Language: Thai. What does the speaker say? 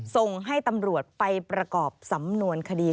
ส่งให้ตำรวจไปประกอบสำนวนคดี